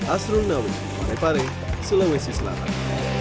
asrun nawik parepare sulawesi selatan